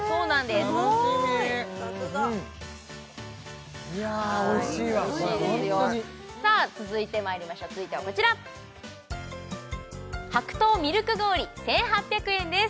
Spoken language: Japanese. すごいいやおいしいわこれホントにさあ続いてまいりましょう続いてはこちら白桃ミルク氷１８００円です